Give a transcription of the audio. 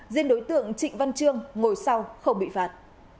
riêng đối tượng trịnh văn trương ngồi sau không bị phạt